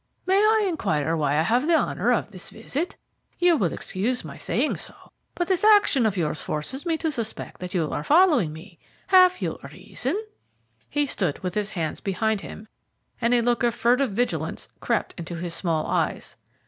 May I inquire why I have the honour of this visit? You will excuse my saying so, but this action of yours forces me to suspect that you are following me. Have you a reason?" He stood with his hands behind him, and a look of furtive vigilance crept into his small eyes.